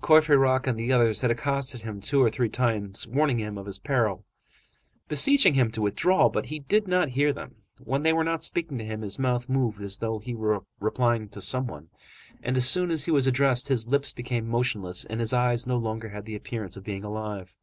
Courfeyrac and others had accosted him two or three times, warning him of his peril, beseeching him to withdraw, but he did not hear them. When they were not speaking to him, his mouth moved as though he were replying to some one, and as soon as he was addressed, his lips became motionless and his eyes no longer had the appearance of being alive.